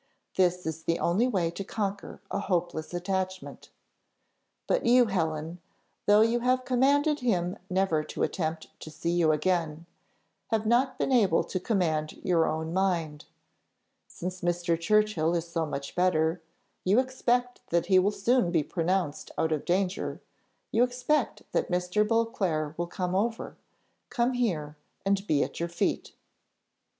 This is the only way to conquer a hopeless attachment. But you, Helen, though you have commanded him never to attempt to see you again, have not been able to command your own mind. Since Mr. Churchill is so much better, you expect that he will soon be pronounced out of danger you expect that Mr. Beauclerc will come over come here, and be at your feet!"